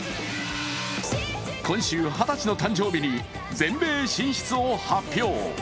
今週、二十歳の誕生日に全米進出を発表。